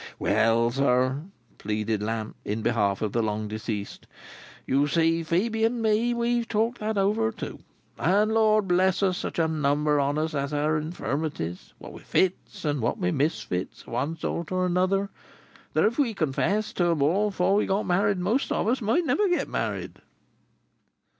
"Well, sir," pleaded Lamps, in behalf of the long deceased. "You see, Phœbe and me, we have talked that over too. And Lord bless us! Such a number on us has our infirmities, what with fits, and what with misfits, of one sort and another, that if we confessed to 'em all before we got married, most of us might never get married."